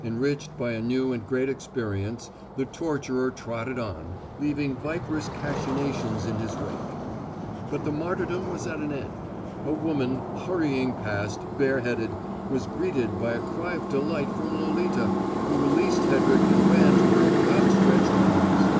Enriched by a new and great experience, the torturer trotted on, leaving viperish cachinnations in his wake. But the martyrdom was at an end. A woman, hurrying past, bareheaded, was greeted by a cry of delight from Lolita, who released Hedrick and ran to her with outstretched arms.